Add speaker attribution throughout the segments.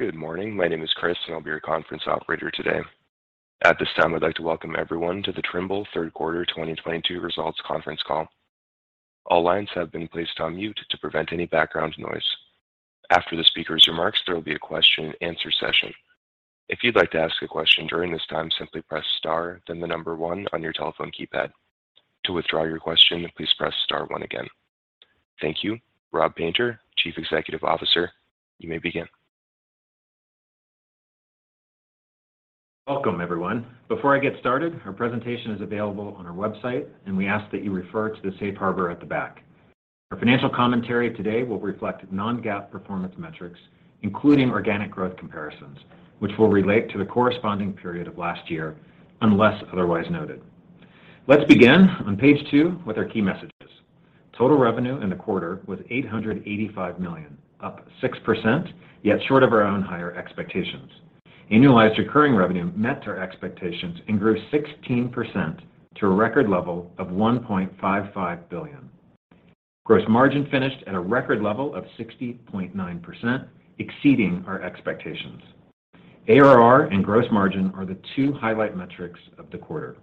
Speaker 1: Good morning. My name is Chris, and I'll be your conference operator today. At this time, I'd like to welcome everyone to the Trimble Third Quarter 2022 Results Conference Call. All lines have been placed on mute to prevent any background noise. After the speaker's remarks, there will be a question and answer session. If you'd like to ask a question during this time, simply press star then the number one on your telephone keypad. To withdraw your question, please press star one again. Thank you. Rob Painter, Chief Executive Officer, you may begin.
Speaker 2: Welcome, everyone. Before I get started, our presentation is available on our website, and we ask that you refer to the safe harbor at the back. Our financial commentary today will reflect non-GAAP performance metrics, including organic growth comparisons, which will relate to the corresponding period of last year, unless otherwise noted. Let's begin on page 2 with our key messages. Total revenue in the quarter was $885 million, up 6%, yet short of our own higher expectations. Annualized recurring revenue met our expectations and grew 16% to a record level of $1.55 billion. Gross margin finished at a record level of 60.9%, exceeding our expectations. ARR and gross margin are the two highlight metrics of the quarter.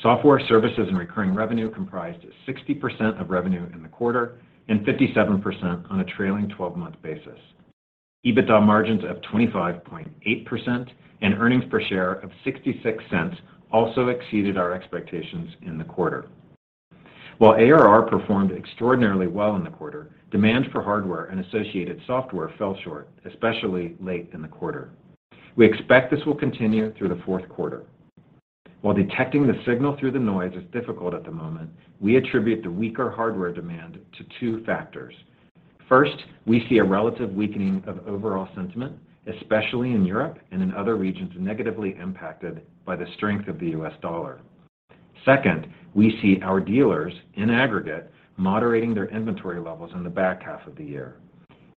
Speaker 2: Software, services, and recurring revenue comprised 60% of revenue in the quarter and 57% on a trailing 12 month basis. EBITDA margins of 25.8% and earnings per share of $0.66 also exceeded our expectations in the quarter. While ARR performed extraordinarily well in the quarter, demand for hardware and associated software fell short, especially late in the quarter. We expect this will continue through the fourth quarter. While detecting the signal through the noise is difficult at the moment, we attribute the weaker hardware demand to two factors. First, we see a relative weakening of overall sentiment, especially in Europe and in other regions negatively impacted by the strength of the U.S. dollar. Second, we see our dealers, in aggregate, moderating their inventory levels in the back half of the year.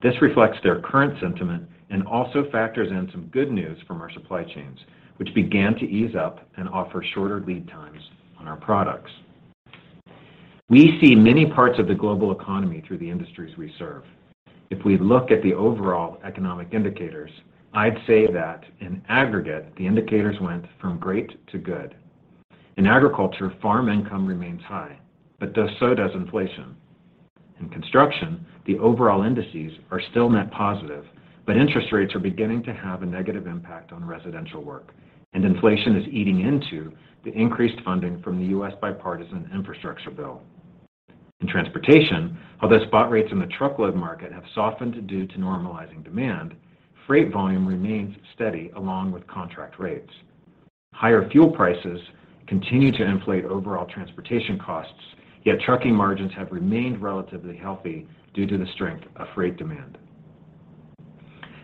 Speaker 2: This reflects their current sentiment and also factors in some good news from our supply chains, which began to ease up and offer shorter lead times on our products. We see many parts of the global economy through the industries we serve. If we look at the overall economic indicators, I'd say that in aggregate, the indicators went from great to good. In agriculture, farm income remains high, but so does inflation. In construction, the overall indices are still net positive, but interest rates are beginning to have a negative impact on residential work, and inflation is eating into the increased funding from the U.S. Bipartisan and Infrastructure Bill. In transportation, although spot rates in the truckload market have softened due to normalizing demand, freight volume remains steady along with contract rates. Higher fuel prices continue to inflate overall transportation costs, yet trucking margins have remained relatively healthy due to the strength of freight demand.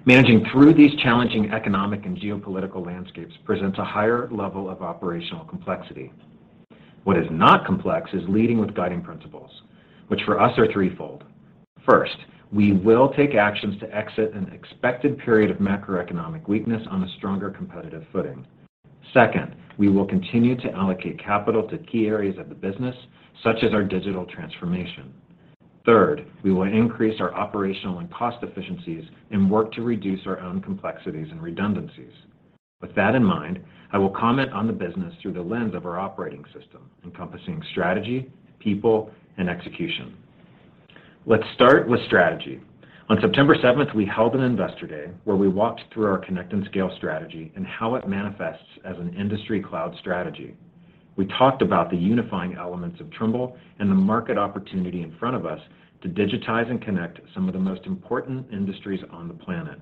Speaker 2: Managing through these challenging economic and geopolitical landscapes presents a higher level of operational complexity. What is not complex is leading with guiding principles, which for us are threefold. First, we will take actions to exit an expected period of macroeconomic weakness on a stronger competitive footing. Second, we will continue to allocate capital to key areas of the business, such as our digital transformation. Third, we will increase our operational and cost efficiencies and work to reduce our own complexities and redundancies. With that in mind, I will comment on the business through the lens of our operating system, encompassing strategy, people, and execution. Let's start with strategy. On September 7th, we held an investor day where we walked through our Connect and Scale strategy and how it manifests as an industry cloud strategy. We talked about the unifying elements of Trimble and the market opportunity in front of us to digitize and connect some of the most important industries on the planet.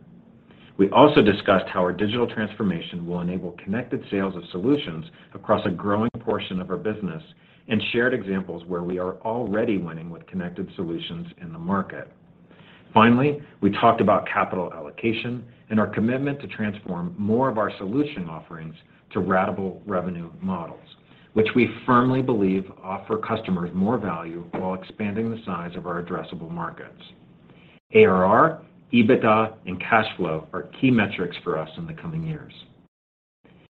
Speaker 2: We also discussed how our digital transformation will enable connected sales of solutions across a growing portion of our business and shared examples where we are already winning with connected solutions in the market. Finally, we talked about capital allocation and our commitment to transform more of our solution offerings to ratable revenue models, which we firmly believe offer customers more value while expanding the size of our addressable markets. ARR, EBITDA, and cash flow are key metrics for us in the coming years.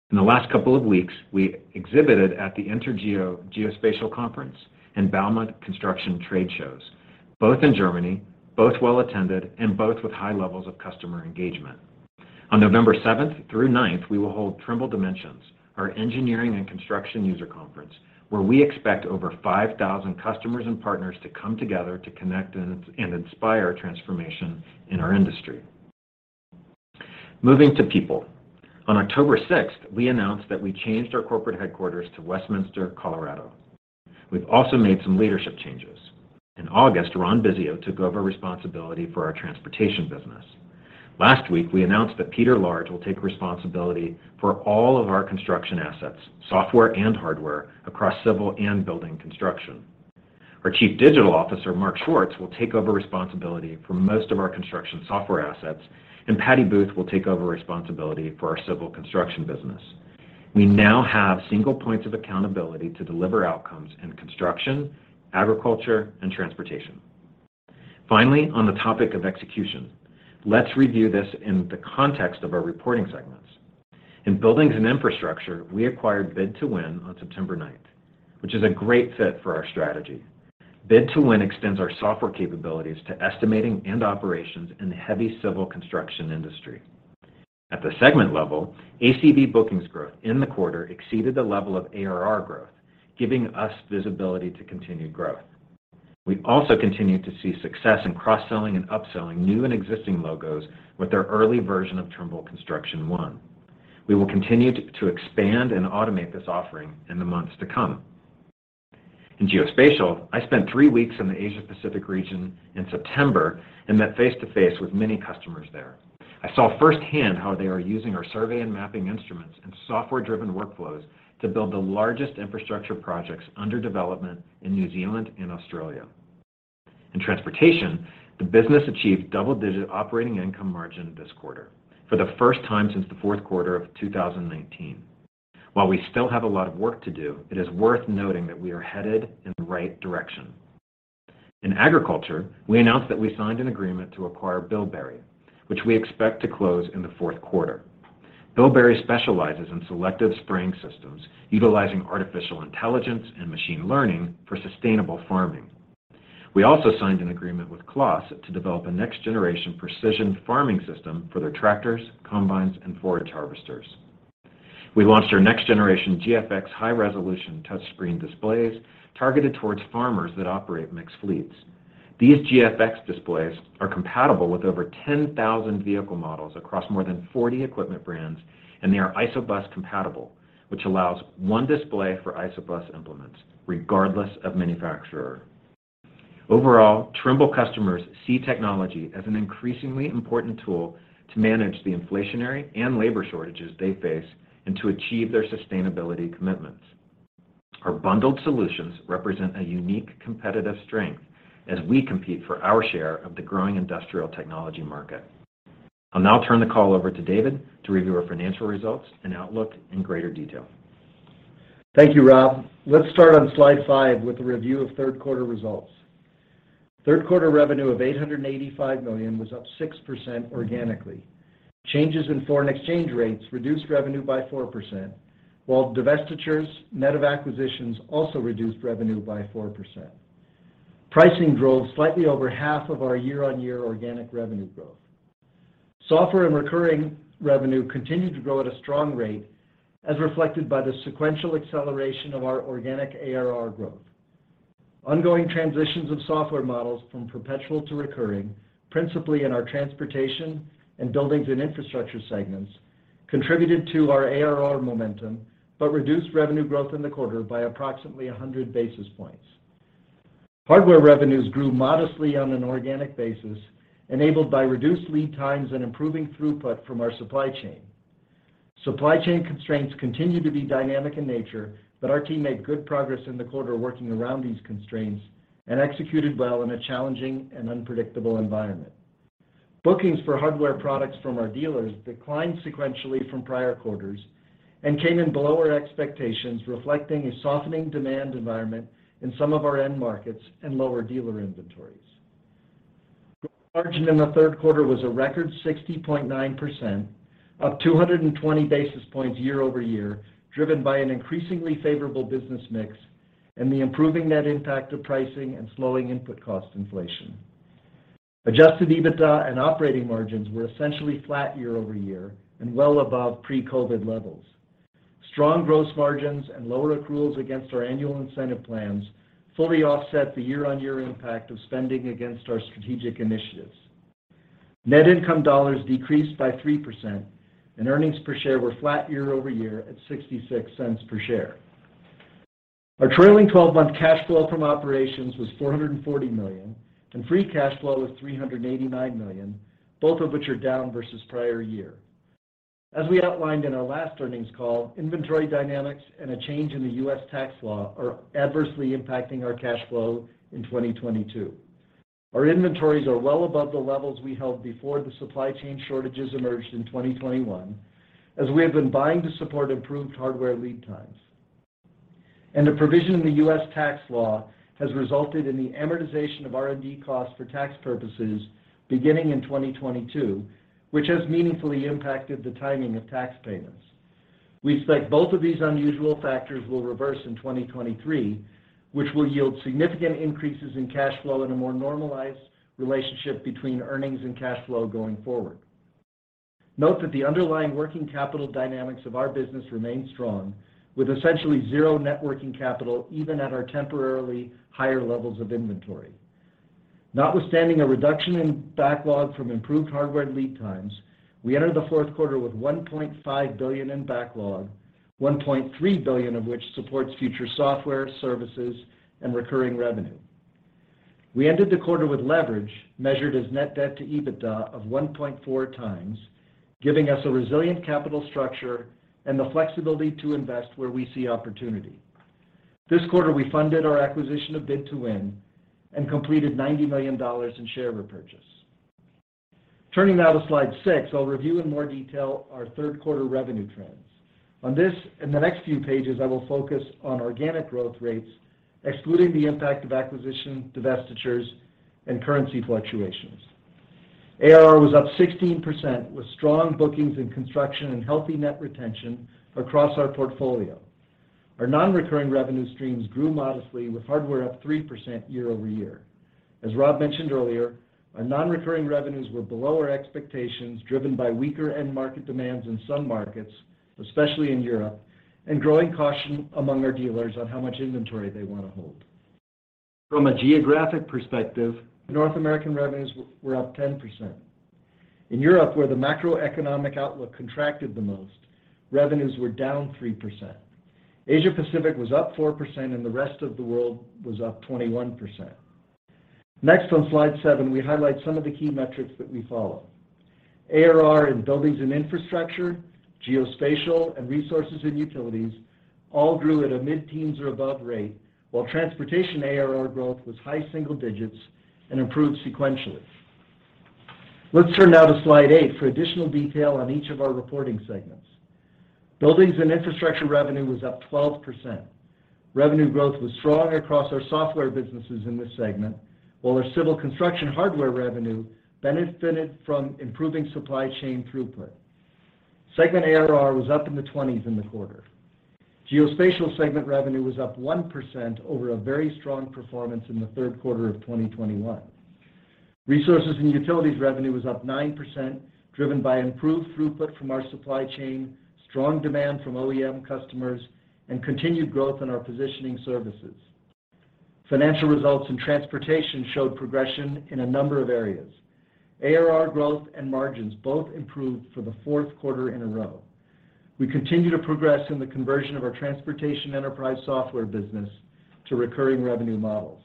Speaker 2: In the last couple of weeks, we exhibited at the INTERGEO Geospatial Conference and bauma Construction trade shows, both in Germany, both well-attended, and both with high levels of customer engagement. On November 7th through November 9th, we will hold Trimble Dimensions, our engineering and construction user conference, where we expect over 5,000 customers and partners to come together to connect and inspire transformation in our industry. Moving to people. On October 6th, we announced that we changed our corporate headquarters to Westminster, Colorado. We've also made some leadership changes. In August, Ron Bisio took over responsibility for our transportation business. Last week, we announced that Peter Large will take responsibility for all of our construction assets, software and hardware, across civil and building construction. Our Chief Digital Officer, Mark Schwartz, will take over responsibility for most of our construction software assets, and Patty Booth will take over responsibility for our civil construction business. We now have single points of accountability to deliver outcomes in construction, agriculture, and transportation. Finally, on the topic of execution, let's review this in the context of our reporting segments. In Buildings and Infrastructure, we acquired B2W on September 9th, which is a great fit for our strategy. B2W extends our software capabilities to estimating and operations in the heavy civil construction industry. At the segment level, ACV bookings growth in the quarter exceeded the level of ARR growth, giving us visibility to continued growth. We also continued to see success in cross-selling and upselling new and existing logos with their early version of Trimble Construction One. We will continue to expand and automate this offering in the months to come. In Geospatial, I spent three weeks in the Asia-Pacific region in September and met face-to-face with many customers there. I saw firsthand how they are using our survey and mapping instruments and software-driven workflows to build the largest infrastructure projects under development in New Zealand and Australia. In transportation, the business achieved double-digit operating income margin this quarter for the first time since the 4th quarter of 2019. While we still have a lot of work to do, it is worth million that we are headed in the right direction. In agriculture, we announced that we signed an agreement to acquire Bilberry, which we expect to close in the 4th quarter. Bilberry specializes in selective spraying systems, utilizing artificial intelligence and machine learning for sustainable farming. We also signed an agreement with Claas to develop a next-generation precision farming system for their tractors, combines, and forage harvesters. We launched our next-generation GFX high-resolution touchscreen displays targeted towards farmers that operate mixed fleets. These GFX displays are compatible with over 10,000 vehicle models across more than 40 equipment brands, and they are ISOBUS compatible, which allows one display for ISOBUS implements regardless of manufacturer. Overall, Trimble customers see technology as an increasingly important tool to manage the inflationary and labor shortages they face, and to achieve their sustainability commitments. Our bundled solutions represent a unique competitive strength as we compete for our share of the growing industrial technology market. I'll now turn the call over to David to review our financial results and outlook in greater detail.
Speaker 3: Thank you, Rob. Let's start on slide 5 with a review of 3rd quarter results. Third quarter revenue of $885 million was up 6% organically. Changes in foreign exchange rates reduced revenue by 4%, while divestitures net of acquisitions also reduced revenue by 4%. Pricing drove slightly over half of our year-on-year organic revenue growth. Software and recurring revenue continued to grow at a strong rate, as reflected by the sequential acceleration of our organic ARR growth. Ongoing transitions of software models from perpetual to recurring, principally in our transportation and buildings and infrastructure segments, contributed to our ARR momentum, but reduced revenue growth in the quarter by approximately 100 basis points. Hardware revenues grew modestly on an organic basis, enabled by reduced lead times and improving throughput from our supply chain. Supply chain constraints continued to be dynamic in nature, but our team made good progress in the quarter working around these constraints and executed well in a challenging and unpredictable environment. Bookings for hardware products from our dealers declined sequentially from prior quarters and came in below our expectations, reflecting a softening demand environment in some of our end markets and lower dealer inventories. Gross margin in the 3rd quarter was a record 60.9%, up 220 basis points year-over-year, driven by an increasingly favorable business mix and the improving net impact of pricing and slowing input cost inflation. Adjusted EBITDA and operating margins were essentially flat year-over-year and well above pre-COVID levels. Strong gross margins and lower accruals against our annual incentive plans fully offset the year-over-year impact of spending against our strategic initiatives. Net income dollars decreased by 3%, and earnings per share were flat year-over-year at $0.66 per share. Our trailing 12-month cash flow from operations was $440 million, and free cash flow was $389 million, both of which are down versus prior year. As we outlined in our last earnings call, inventory dynamics and a change in the U.S. tax law are adversely impacting our cash flow in 2022. Our inventories are well above the levels we held before the supply chain shortages emerged in 2021, as we have been buying to support improved hardware lead times. A provision in the U.S. tax law has resulted in the amortization of R&D costs for tax purposes beginning in 2022, which has meaningfully impacted the timing of tax payments. We expect both of these unusual factors will reverse in 2023, which will yield significant increases in cash flow in a more normalized relationship between earnings and cash flow going forward. Note that the underlying working capital dynamics of our business remain strong, with essentially zero net working capital even at our temporarily higher levels of inventory. Notwithstanding a reduction in backlog from improved hardware lead times, we entered the 4th quarter with $1.5 billion in backlog, $1.3 billion of which supports future software, services, and recurring revenue. We ended the quarter with leverage measured as net debt to EBITDA of 1.4x, giving us a resilient capital structure and the flexibility to invest where we see opportunity. This quarter, we funded our acquisition of B2W and completed $90 million in share repurchase. Turning now to slide 6, I'll review in more detail our 3rd quarter revenue trends. On this and the next few pages, I will focus on organic growth rates, excluding the impact of acquisition, divestitures, and currency fluctuations. ARR was up 16% with strong bookings in construction and healthy net retention across our portfolio. Our non-recurring revenue streams grew modestly, with hardware up 3% year-over-year. As Rob mentioned earlier, our non-recurring revenues were below our expectations, driven by weaker end market demands in some markets, especially in Europe, and growing caution among our dealers on how much inventory they wanna hold. From a geographic perspective, North American revenues were up 10%. In Europe, where the macroeconomic outlook contracted the most, revenues were down 3%. Asia Pacific was up 4%, and the rest of the world was up 21%. Next, on slide 7, we highlight some of the key metrics that we follow. ARR in buildings and infrastructure, geospatial, and resources and utilities all grew at a mid-teens or above rate, while transportation ARR growth was high single digits and improved sequentially. Let's turn now to slide 8 for additional detail on each of our reporting segments. Buildings and infrastructure revenue was up 12%. Revenue growth was strong across our software businesses in this segment, while our civil construction hardware revenue benefited from improving supply chain throughput. Segment ARR was up in the 20%s in the quarter. Geospatial segment revenue was up 1% over a very strong performance in the third quarter of 2021. Resources and utilities revenue was up 9%, driven by improved throughput from our supply chain, strong demand from OEM customers, and continued growth in our positioning services. Financial results in transportation showed progression in a number of areas. ARR growth and margins both improved for the 4th quarter in a row. We continue to progress in the conversion of our transportation enterprise software business to recurring revenue models.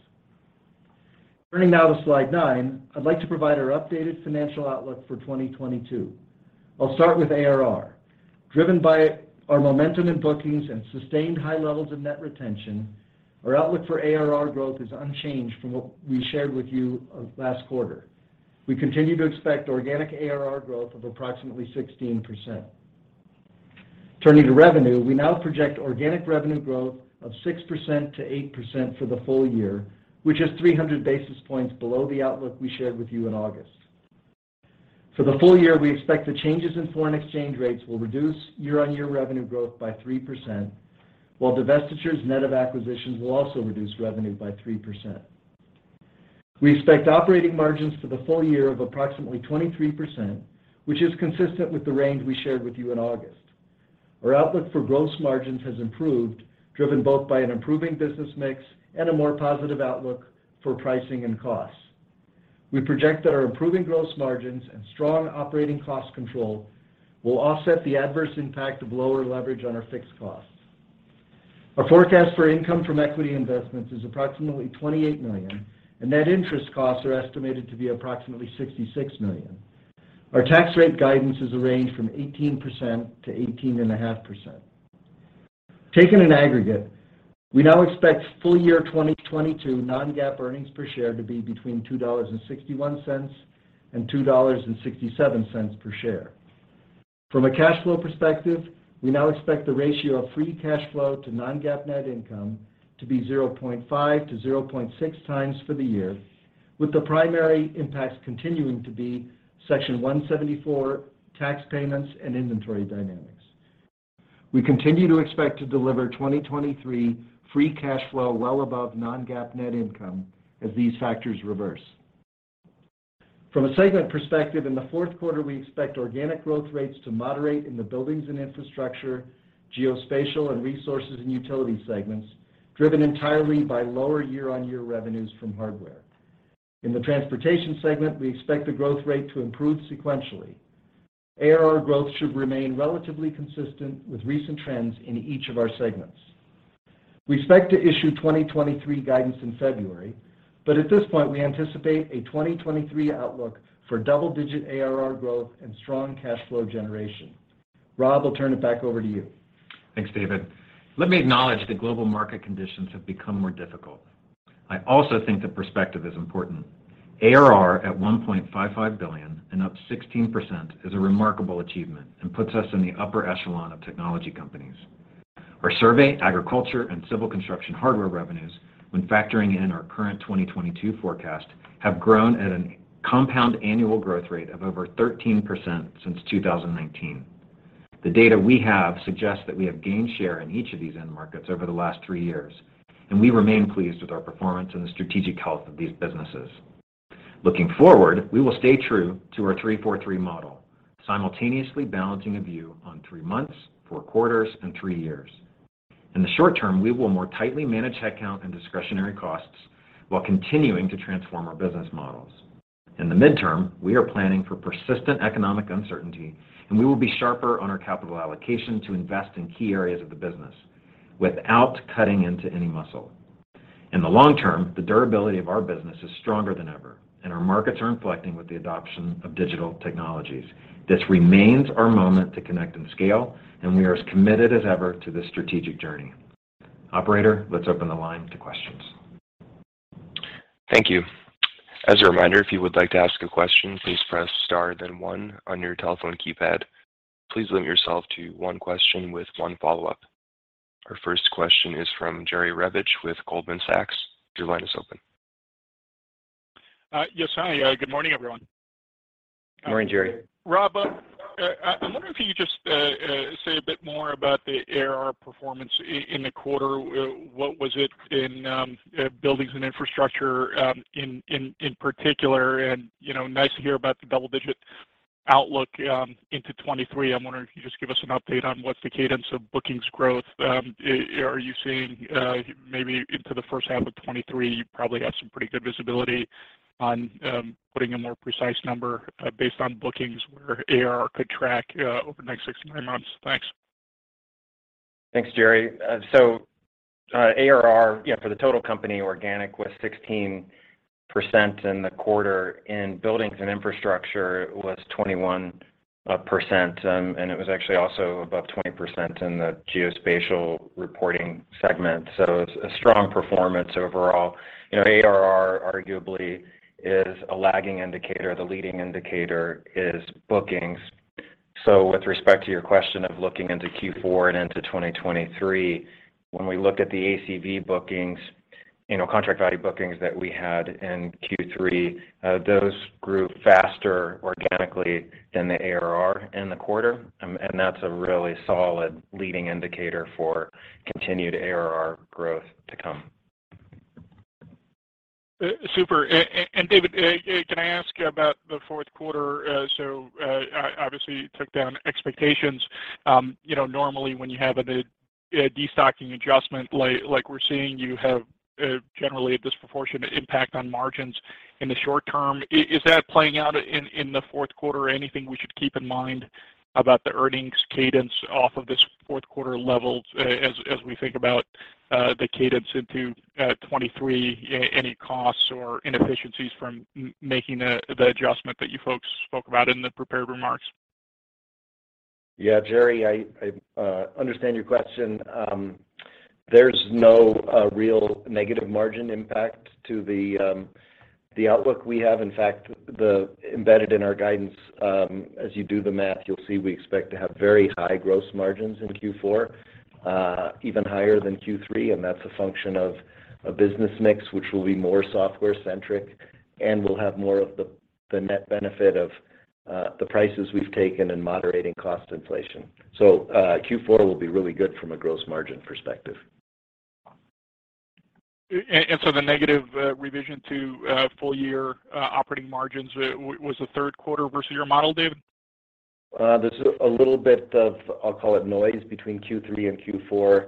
Speaker 3: Turning now to slide 9, I'd like to provide our updated financial outlook for 2022. I'll start with ARR. Driven by our momentum in bookings and sustained high levels of net retention, our outlook for ARR growth is unchanged from what we shared with you last quarter. We continue to expect organic ARR growth of approximately 16%. Turning to revenue, we now project organic revenue growth of 6%-8% for the full year, which is 300 basis points below the outlook we shared with you in August. For the full year, we expect the changes in foreign exchange rates will reduce year-on-year revenue growth by 3%, while divestitures net of acquisitions will also reduce revenue by 3%. We expect operating margins for the full year of approximately 23%, which is consistent with the range we shared with you in August. Our outlook for gross margins has improved, driven both by an improving business mix and a more positive outlook for pricing and costs. We project that our improving gross margins and strong operating cost control will offset the adverse impact of lower leverage on our fixed costs. Our forecast for income from equity investments is approximately $28 million, and net interest costs are estimated to be approximately $66 million. Our tax rate guidance is a range from 18%-18.5%. Taken in aggregate, we now expect full year 2022 non-GAAP earnings per share to be between $2.61 and $2.67 per share. From a cash flow perspective, we now expect the ratio of free cash flow to non-GAAP net income to be 0.5x-0.6x for the year, with the primary impacts continuing to be Section 174 tax payments and inventory dynamics. We continue to expect to deliver 2023 free cash flow well above non-GAAP net income as these factors reverse. From a segment perspective, in the 4th quarter, we expect organic growth rates to moderate in the buildings and infrastructure, geospatial, and resources and utility segments, driven entirely by lower year-on-year revenues from hardware. In the transportation segment, we expect the growth rate to improve sequentially. ARR growth should remain relatively consistent with recent trends in each of our segments. We expect to issue 2023 guidance in February, but at this point, we anticipate a 2023 outlook for double-digit ARR growth and strong cash flow generation. Rob, I'll turn it back over to you.
Speaker 2: Thanks, David. Let me acknowledge that global market conditions have become more difficult. I also think that perspective is important. ARR at $1.55 billion and up 16% is a remarkable achievement and puts us in the upper echelon of technology companies. Our survey, agriculture, and civil construction hardware revenues, when factoring in our current 2022 forecast, have grown at a compound annual growth rate of over 13% since 2019. The data we have suggests that we have gained share in each of these end markets over the last three years, and we remain pleased with our performance and the strategic health of these businesses. Looking forward, we will stay true to our three/four/three model, simultaneously balancing a view on three months, four quarters, and three years. In the short term, we will more tightly manage headcount and discretionary costs while continuing to transform our business models. In the midterm, we are planning for persistent economic uncertainty, and we will be sharper on our capital allocation to invest in key areas of the business without cutting into any muscle. In the long term, the durability of our business is stronger than ever, and our markets are inflecting with the adoption of digital technologies. This remains our moment to connect and scale, and we are as committed as ever to this strategic journey. Operator, let's open the line to questions.
Speaker 1: Thank you. As a reminder, if you would like to ask a question, please press star then one on your telephone keypad. Please limit yourself to one question with one follow-up. Our first question is from Jerry Revich with Goldman Sachs. Your line is open.
Speaker 4: Yes. Hi. Good morning, everyone.
Speaker 2: Morning, Jerry.
Speaker 4: Rob, I'm wondering if you just say a bit more about the ARR performance in the quarter. What was it in buildings and infrastructure in particular, and you know, nice to hear about the double-digit outlook into 2023. I'm wondering if you just give us an update on what's the cadence of bookings growth. Are you seeing maybe into the 1st half of 2023, you probably have some pretty good visibility on putting a more precise number based on bookings where ARR could track over the next six to nine months. Thanks.
Speaker 2: Thanks, Jerry. ARR, yeah, for the total company organic was 16% in the quarter. In Buildings and Infrastructure, it was 21%, and it was actually also above 20% in the Geospatial reporting segment. It's a strong performance overall. You know, ARR arguably is a lagging indicator. The leading indicator is bookings. With respect to your question of looking into Q4 and into 2023, when we look at the ACV bookings, you know, contract value bookings that we had in Q3, those grew faster organically than the ARR in the quarter. That's a really solid leading indicator for continued ARR growth to come.
Speaker 4: Super. David, can I ask about the 4th quarter? Obviously you took down expectations. You know, normally when you have a destocking adjustment like we're seeing, you have generally a disproportionate impact on margins in the short term. Is that playing out in the 4th quarter? Anything we should keep in mind about the earnings cadence off of this 4th quarter levels as we think about the cadence into 2023, any costs or inefficiencies from making the adjustment that you folks spoke about in the prepared remarks?
Speaker 3: Yeah, Jerry, I understand your question. There's no real negative margin impact to the outlook we have. In fact, the embedded in our guidance, as you do the math, you'll see we expect to have very high gross margins in Q4, even higher than Q3, and that's a function of a business mix, which will be more software centric, and we'll have more of the net benefit of the prices we've taken in moderating cost inflation. Q4 will be really good from a gross margin perspective.
Speaker 4: The negative revision to full year operating margins was the 3rd quarter versus your model, David?
Speaker 3: There's a little bit of, I'll call it noise between Q3 and Q4.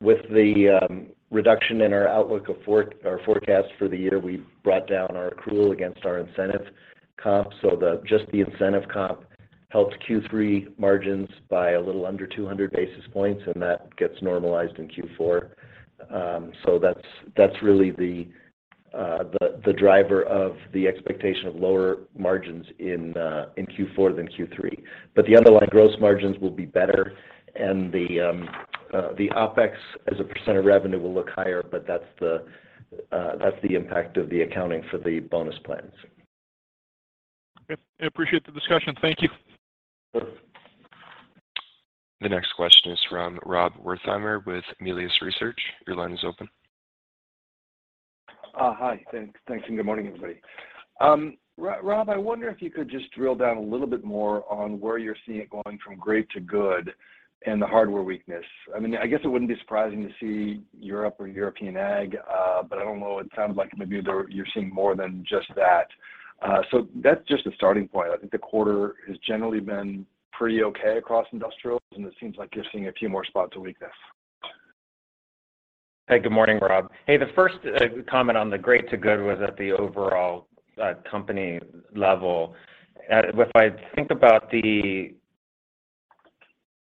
Speaker 3: With the reduction in our outlook or forecast for the year, we brought down our accrual against our incentive comp, so just the incentive comp helps Q3 margins by a little under 200 basis points, and that gets normalized in Q4. So that's really the driver of the expectation of lower margins in Q4 than Q3. But the underlying gross margins will be better and the OpEx as a percent of revenue will look higher, but that's the impact of the accounting for the bonus plans.
Speaker 4: Okay. I appreciate the discussion. Thank you.
Speaker 1: The next question is from Rob Wertheimer with Melius Research. Your line is open.
Speaker 5: Hi. Thanks, and good morning, everybody. Rob, I wonder if you could just drill down a little bit more on where you're seeing it going from great to good and the hardware weakness. I mean, I guess it wouldn't be surprising to see Europe or European ag, but I don't know, it sounds like maybe you're seeing more than just that. So that's just a starting point. I think the quarter has generally been pretty okay across industrials, and it seems like you're seeing a few more spots of weakness.
Speaker 2: Hey, good morning, Rob. The first comment on the great to good was at the overall company level. If I think about the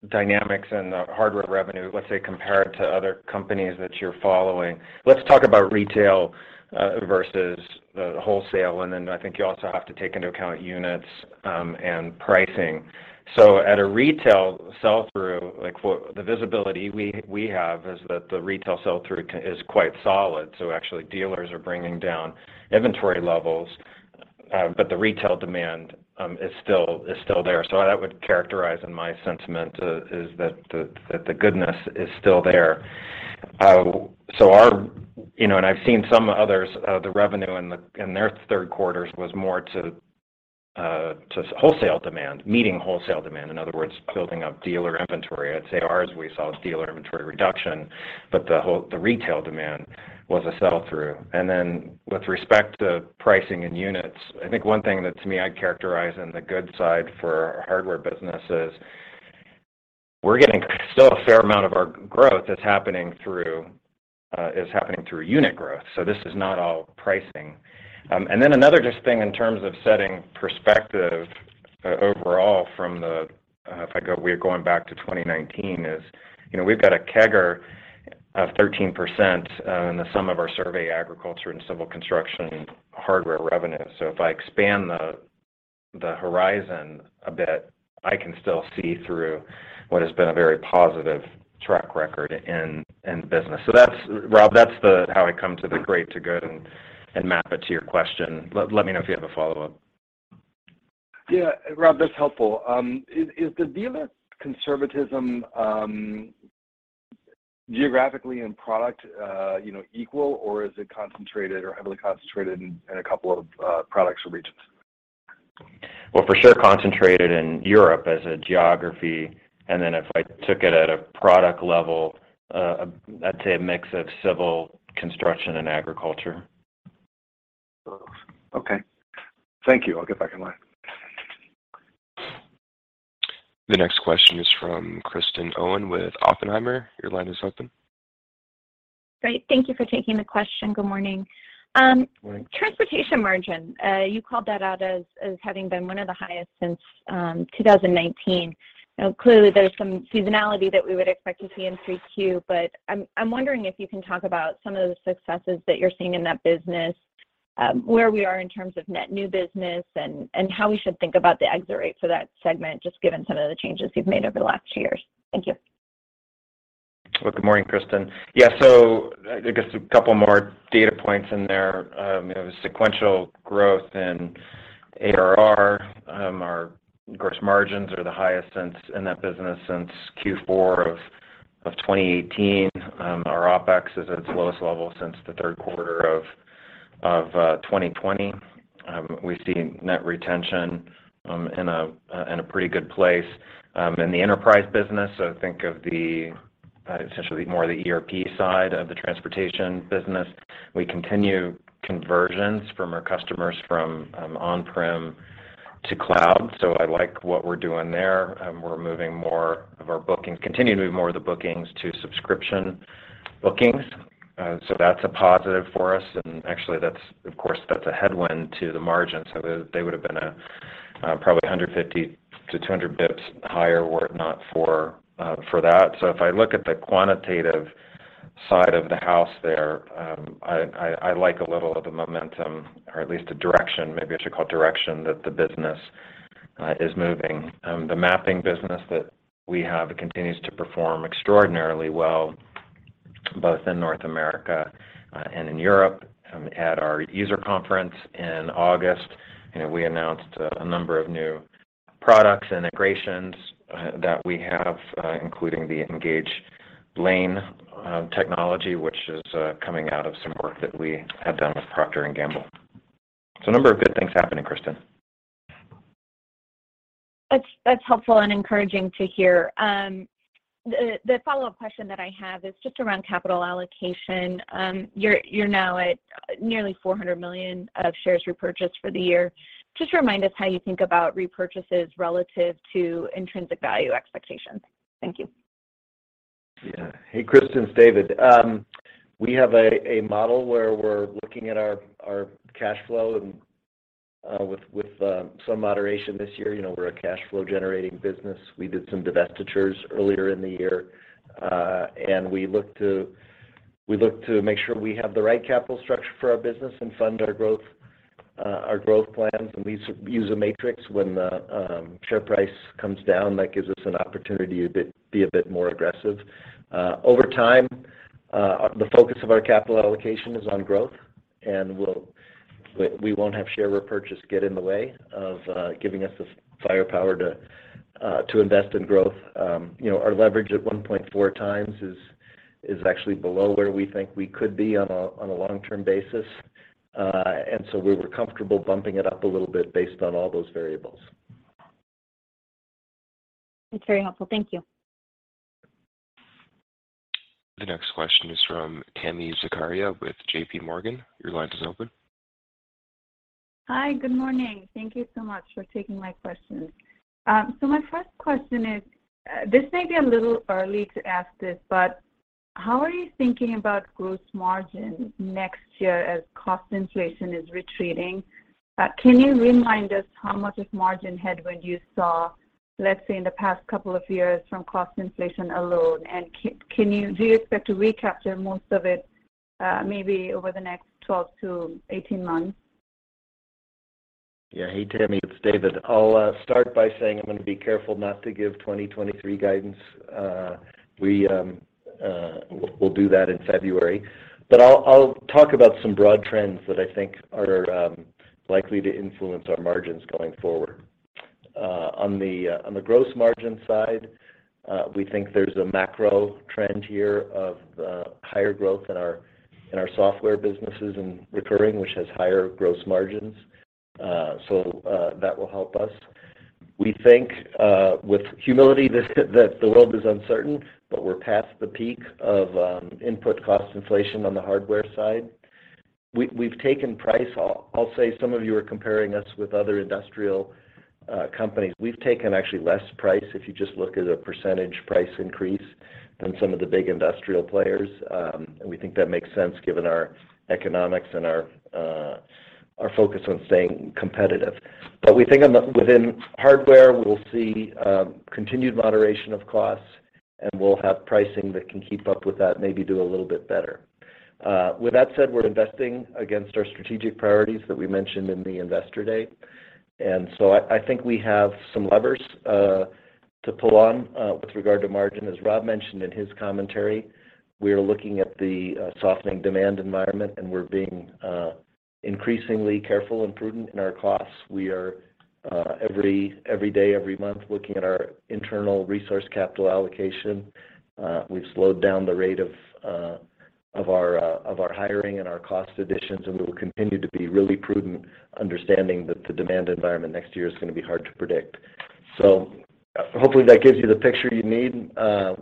Speaker 2: dynamics and the hardware revenue, let's say compared to other companies that you're following. Let's talk about retail versus wholesale, and then I think you also have to take into account units and pricing. At a retail sell-through, like for the visibility we have is that the retail sell-through is quite solid, so actually dealers are bringing down inventory levels, but the retail demand is still there. That would characterize in my sentiment is that the goodness is still there. Our, you know, and I've seen some others, the revenue in their 3rd quarters was more to wholesale demand, meeting wholesale demand. In other words, building up dealer inventory. I'd say ours, we saw dealer inventory reduction, but the whole, the retail demand was a sell-through. Then with respect to pricing and units, I think one thing that to me I'd characterize in the good side for our hardware business is we're getting still a fair amount of our growth that's happening through unit growth. This is not all pricing. Then another just thing in terms of setting perspective overall from the, if I go back to 2019 is, you know, we've got a CAGR of 13% in the sum of our survey, agriculture and civil construction hardware revenue. If I expand the horizon a bit, I can still see through what has been a very positive track record in business. That's Rob, that's how I come to the great to good and map it to your question. Let me know if you have a follow-up.
Speaker 5: Yeah, Rob, that's helpful. Is the degree of conservatism geographically in product, you know, equal, or is it concentrated or heavily concentrated in a couple of products or regions?
Speaker 2: Well, for sure concentrated in Europe as a geography. If I took it at a product level, I'd say a mix of civil construction and agriculture.
Speaker 5: Okay. Thank you. I'll get back in line.
Speaker 1: The next question is from Kristen Owen with Oppenheimer. Your line is open.
Speaker 6: Great. Thank you for taking the question. Good morning.
Speaker 2: Morning.
Speaker 6: Transportation margin, you called that out as having been one of the highest since 2019. Now, clearly there's some seasonality that we would expect to see in 3Q, but I'm wondering if you can talk about some of the successes that you're seeing in that business, where we are in terms of net new business and how we should think about the exit rate for that segment, just given some of the changes you've made over the last two years? Thank you.
Speaker 2: Well, good morning, Kristen. Yeah. I guess a couple more data points in there. You know, the sequential growth in ARR, our gross margins are the highest in that business since Q4 of 2018. Our OpEx is at its lowest level since the 3rd quarter of 2020. We've seen net retention in a pretty good place in the enterprise business. Think of the essentially more the ERP side of the transportation business. We continue conversions from our customers from on-prem to cloud. I like what we're doing there. We're continuing to move more of the bookings to subscription bookings. That's a positive for us. Actually that's, of course, that's a headwind to the margin. They would've been probably 150 bips to 200 bips higher were it not for that. If I look at the quantitative side of the house there, I like a little of the momentum or at least a direction that the business is moving. The mapping business that we have continues to perform extraordinarily well, both in North America and in Europe. At our user conference in August, you know, we announced a number of new products, integrations that we have including the Engage Lane technology, which is coming out of some work that we have done with Procter & Gamble. A number of good things happening, Kristen.
Speaker 6: That's helpful and encouraging to hear. The follow-up question that I have is just around capital allocation. You're now at nearly 400 million of shares repurchased for the year. Just remind us how you think about repurchases relative to intrinsic value expectations. Thank you.
Speaker 3: Yeah. Hey, Kristen, it's David. We have a model where we're looking at our cash flow and with some moderation this year. You know, we're a cash flow generating business. We did some divestitures earlier in the year, and we look to make sure we have the right capital structure for our business and fund our growth plans. We use a matrix when the share price comes down, that gives us an opportunity to be a bit more aggressive. Over time, the focus of our capital allocation is on growth, and we won't have share repurchase get in the way of giving us the firepower to invest in growth. You know, our leverage at 1.4x is actually below where we think we could be on a long-term basis. We were comfortable bumping it up a little bit based on all those variables.
Speaker 6: That's very helpful. Thank you.
Speaker 1: The next question is from Tami Zakaria with J.P. Morgan. Your line is open.
Speaker 7: Hi. Good morning. Thank you so much for taking my questions. My first question is, this may be a little early to ask this, but how are you thinking about gross margin next year as cost inflation is retreating? Can you remind us how much of margin headwind you saw, let's say, in the past couple of years from cost inflation alone? Do you expect to recapture most of it, maybe over the next 12-18 months?
Speaker 3: Yeah. Hey, Tami, it's David. I'll start by saying I'm gonna be careful not to give 2023 guidance. We'll do that in February. I'll talk about some broad trends that I think are likely to influence our margins going forward. On the gross margin side, we think there's a macro trend here of higher growth in our software businesses and recurring, which has higher gross margins. That will help us. We think, with humility, that the world is uncertain, but we're past the peak of input cost inflation on the hardware side. We've taken price off. I'll say some of you are comparing us with other industrial companies. We've taken actually less price, if you just look at a percentage price increase than some of the big industrial players. We think that makes sense given our economics and our focus on staying competitive. We think within hardware, we'll see continued moderation of costs, and we'll have pricing that can keep up with that, maybe do a little bit better. With that said, we're investing against our strategic priorities that we mentioned in the investor day. I think we have some levers to pull on with regard to margin, as Rob mentioned in his commentary, we are looking at the softening demand environment, and we're being increasingly careful and prudent in our costs. We are every day, every month looking at our internal resource capital allocation. We've slowed down the rate of our hiring and our cost additions, and we will continue to be really prudent understanding that the demand environment next year is gonna be hard to predict. Hopefully, that gives you the picture you need.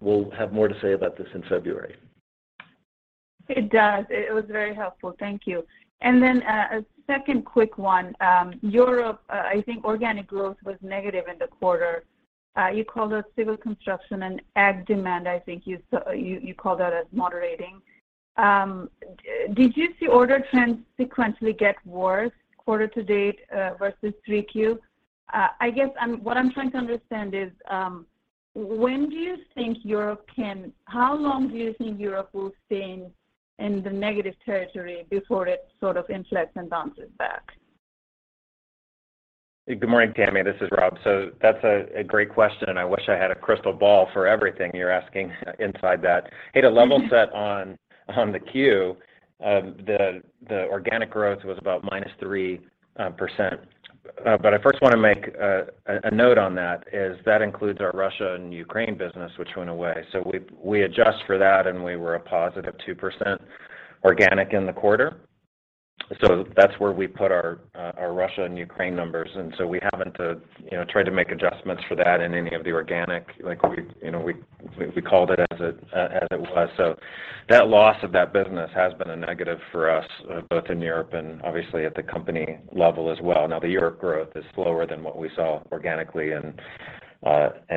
Speaker 3: We'll have more to say about this in February.
Speaker 7: It does. It was very helpful. Thank you. Then, a second quick one. Europe, I think organic growth was negative in the quarter. You called out civil construction and ag demand, I think, as moderating. Did you see order trends sequentially get worse quarter-to-date versus 3Q? I guess what I'm trying to understand is, how long do you think Europe will stay in the negative territory before it sort of inflects and bounces back?
Speaker 2: Good morning, Tami. This is Rob. That's a great question, and I wish I had a crystal ball for everything you're asking inside that. Hey, to level set on the Q, the organic growth was about -3%. I first wanna make a note on that is that includes our Russia and Ukraine business which went away. We adjust for that, and we were a +2% organic in the quarter. That's where we put our Russia and Ukraine numbers. We haven't you know, tried to make adjustments for that in any of the organic. Like, you know, we called it as it was. That loss of that business has been a negative for us, both in Europe and obviously at the company level as well. Now, the Europe growth is slower than what we saw organically in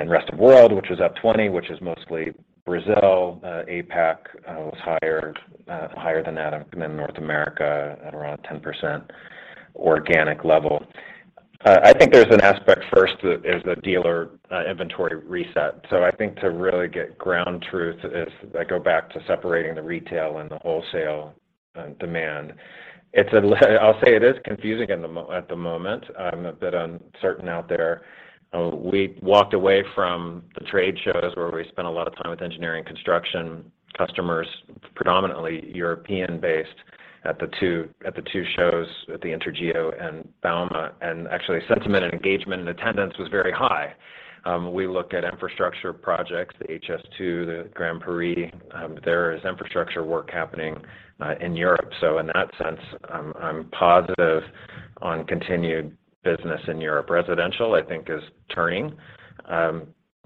Speaker 2: rest of world, which was up 20%, which is mostly Brazil. APAC was higher than that and then North America at around 10% organic level. I think there's an aspect first that is the dealer inventory reset. I think to really get ground truth is I go back to separating the retail and the wholesale demand. I'll say it is confusing at the moment. I'm a bit uncertain out there. We walked away from the trade shows where we spent a lot of time with engineering construction customers, predominantly European-based, at the two shows at the INTERGEO and bauma, and actually sentiment and engagement and attendance was very high. We look at infrastructure projects, the HS2, the Grand Paris. There is infrastructure work happening in Europe. In that sense, I'm positive on continued business in Europe. Residential, I think is turning.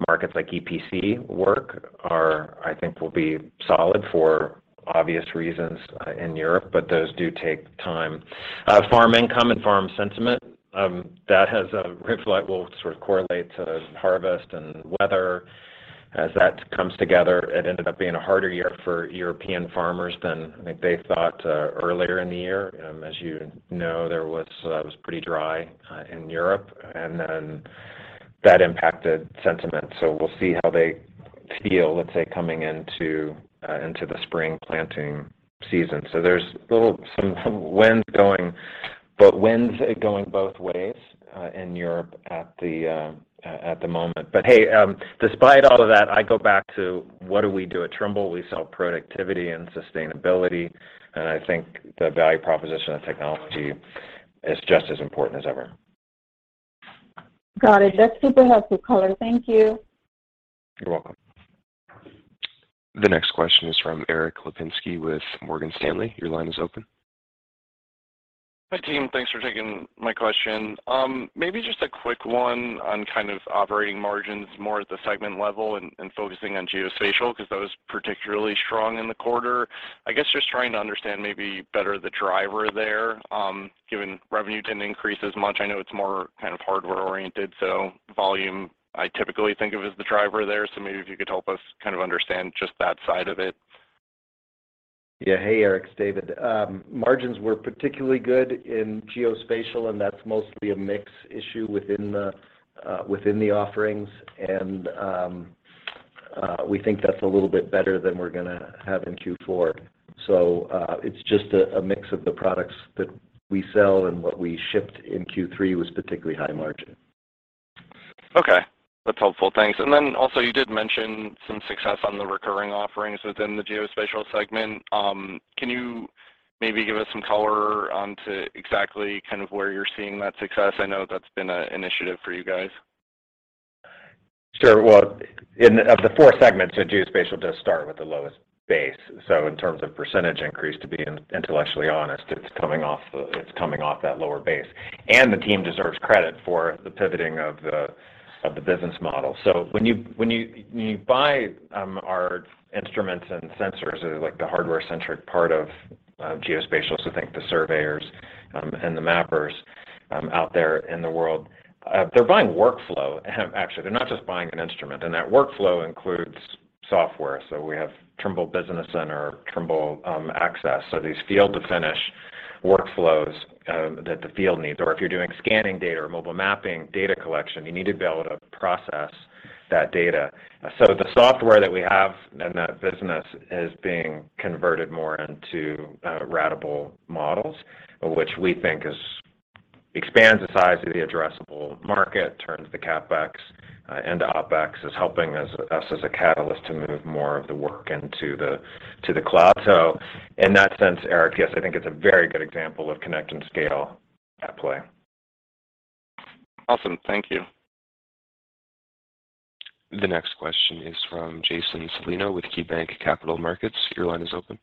Speaker 2: Markets like EPC work, I think, will be solid for obvious reasons in Europe, but those do take time. Farm income and farm sentiment, that has a ripple effect will sort of correlate to harvest and weather as that comes together. It ended up being a harder year for European farmers than I think they thought earlier in the year. As you know, it was pretty dry in Europe, and then that impacted sentiment. We'll see how they feel, let's say, coming into the spring planting season. There's some winds going both ways in Europe at the moment. Hey, despite all of that, I go back to what do we do at Trimble? We sell productivity and sustainability, and I think the value proposition of technology is just as important as ever.
Speaker 7: Got it. That's super helpful color. Thank you.
Speaker 2: You're welcome.
Speaker 1: The next question is from Erik Lapinski with Morgan Stanley. Your line is open.
Speaker 8: Hi, team. Thanks for taking my question. Maybe just a quick one on kind of operating margins more at the segment level and focusing on geospatial because that was particularly strong in the quarter. I guess just trying to understand maybe better the driver there, given revenue didn't increase as much. I know it's more kind of hardware-oriented, so volume, I typically think of as the driver there. Maybe if you could help us kind of understand just that side of it?
Speaker 3: Yeah. Hey, Erik, it's David. Margins were particularly good in geospatial, and that's mostly a mix issue within the offerings. We think that's a little bit better than we're gonna have in Q4. It's just a mix of the products that we sell, and what we shipped in Q3 was particularly high margin.
Speaker 8: Okay. That's helpful. Thanks. You did mention some success on the recurring offerings within the geospatial segment. Can you maybe give us some color onto exactly kind of where you're seeing that success? I know that's been an initiative for you guys.
Speaker 2: Sure. Well, of the four segments, geospatial does start with the lowest base. In terms of percentage increase to be intellectually honest, it's coming off that lower base. The team deserves credit for the pivoting of the business model. When you buy our instruments and sensors or like the hardware-centric part of geospatial, think the surveyors and the mappers out there in the world, they're buying workflow. Actually, they're not just buying an instrument, and that workflow includes software. We have Trimble Business Center, Trimble Access. These field-to-finish workflows that the field needs, or if you're doing scanning data or mobile mapping data collection, you need to be able to process that data. The software that we have in that business is being converted more into ratable models, which we think expands the size of the addressable market, turns the CapEx and OpEx is helping us as a catalyst to move more of the work into the cloud. In that sense, Erik, yes, I think it's a very good example of connect and scale at play.
Speaker 8: Awesome. Thank you.
Speaker 1: The next question is from Jason Celino with KeyBanc Capital Markets. Your line is open.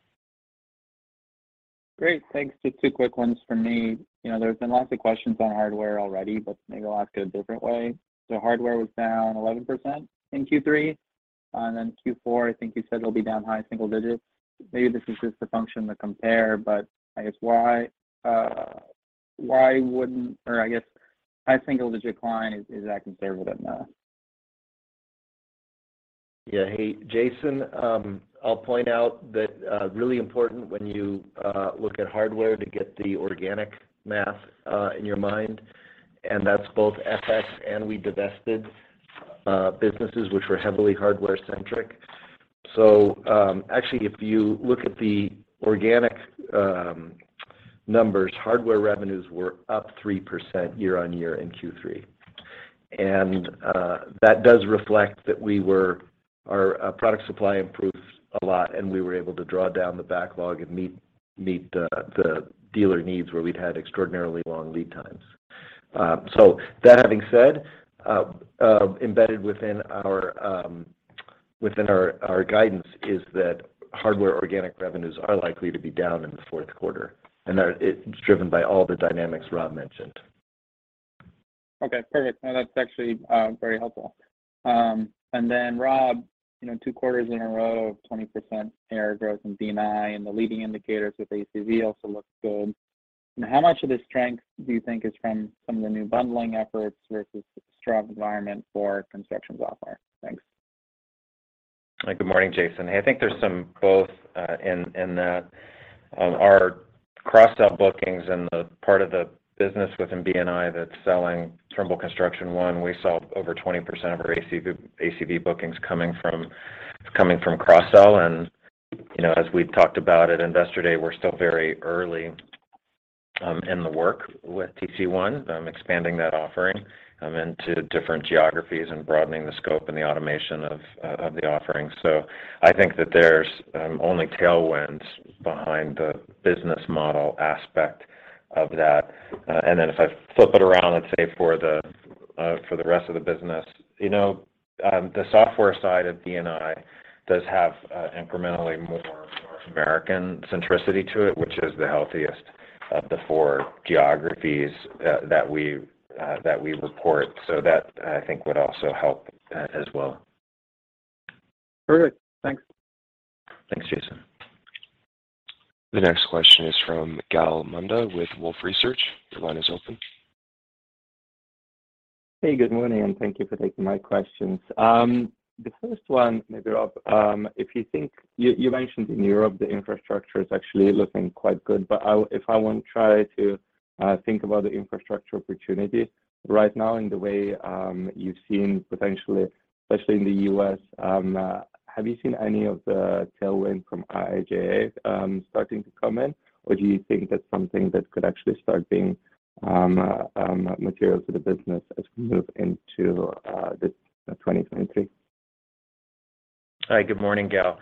Speaker 9: Great. Thanks. Just two quick ones for me. You know, there's been lots of questions on hardware already, but maybe I'll ask a different way. Hardware was down 11% in Q3, and then Q4, I think you said it'll be down high single digits. Maybe this is just a function of the comps, but I guess high single-digit decline is that conservative enough?
Speaker 3: Yeah. Hey, Jason, I'll point out that really important when you look at hardware to get the organic math in your mind, and that's both FX and we divested businesses which were heavily hardware-centric. Actually, if you look at the organic numbers, hardware revenues were up 3% year-over-year in Q3. That does reflect that our product supply improved a lot, and we were able to draw down the backlog and meet the dealer needs where we'd had extraordinarily long lead times. That having said, embedded within our guidance is that hardware organic revenues are likely to be down in the 4th quarter. That it's driven by all the dynamics Rob mentioned.
Speaker 9: Okay, perfect. No, that's actually very helpful. Rob, you know, two quarters in a row of 20% year growth in B&I, and the leading indicators with ACV also look good. How much of this strength do you think is from some of the new bundling efforts versus the strong environment for construction software? Thanks.
Speaker 2: Good morning, Jason. I think there's some of both in that. Our cross-sell bookings and the part of the business within B&I that's selling Trimble Construction One, we saw over 20% of our ACV bookings coming from cross-sell. You know, as we've talked about at Investor Day, we're still very early in the work with TC1, expanding that offering into different geographies and broadening the scope and the automation of the offering. I think that there's only tailwinds behind the business model aspect of that. If I flip it around, let's say for the rest of the business, you know, the software side of B&I does have incrementally more North American centricity to it, which is the healthiest of the four geographies that we report. That, I think, would also help as well.
Speaker 9: Perfect. Thanks.
Speaker 2: Thanks, Jason.
Speaker 1: The next question is from Gal Munda with Wolfe Research. Your line is open.
Speaker 10: Hey, good morning, and thank you for taking my questions. The first one, maybe, Rob. You mentioned in Europe, the infrastructure is actually looking quite good. If I want to try to think about the infrastructure opportunity right now in the way you've seen potentially, especially in the U.S., have you seen any of the tailwind from IIJA starting to come in? Or do you think that's something that could actually start being material to the business as we move into 2023?
Speaker 2: Hi, good morning, Gal.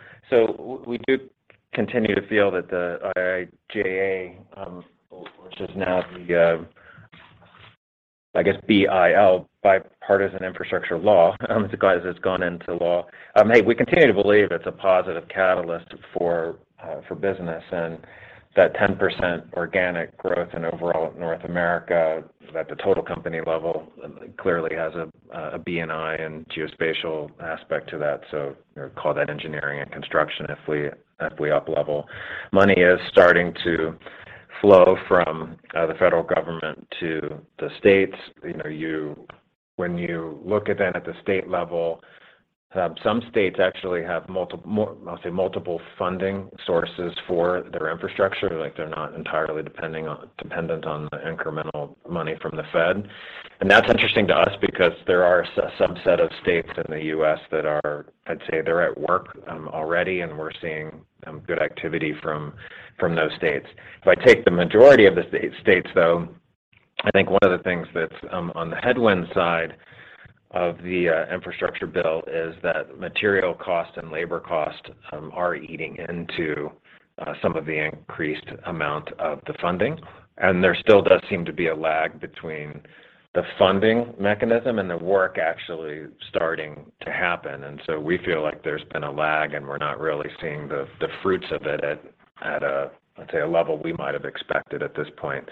Speaker 2: We do continue to feel that the IIJA, which is now the, I guess, BIL, Bipartisan Infrastructure Law, guys, it's gone into law. Hey, we continue to believe it's a positive catalyst for business. That 10% organic growth in overall North America at the total company level clearly has a B&I and geospatial aspect to that. Call that engineering and construction if we up level. Money is starting to flow from the federal government to the states. You know, when you look at the state level, some states actually have multiple funding sources for their infrastructure. Like, they're not entirely dependent on the incremental money from the Fed. That's interesting to us because there are a subset of states in the U.S. that are, I'd say, they're at work already, and we're seeing good activity from those states. If I take the majority of the states, though, I think one of the things that's on the headwind side of the infrastructure bill is that material cost and labor cost are eating into some of the increased amount of the funding. There still does seem to be a lag between the funding mechanism and the work actually starting to happen. We feel like there's been a lag, and we're not really seeing the fruits of it at a, let's say, a level we might have expected at this point.